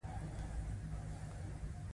• ته د احساس ښکلی انځور یې.